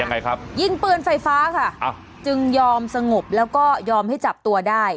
ยังไงครับยิงปืนไฟฟ้าค่ะอ้าวจึงยอมสงบแล้วก็ยอมให้จับตัวได้